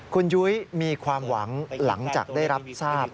คุณยุ้ยมีความหวังหลังจากได้รับทราบ